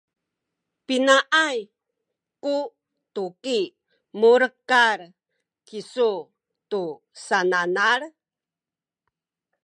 pinaay ku tuki mulekal kisu tu sananal?